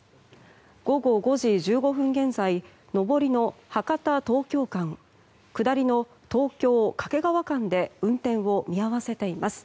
午後５時１５分現在上りの博多東京間下りの東京掛川間で運転を見合わせています。